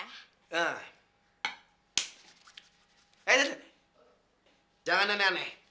eh jangan aneh aneh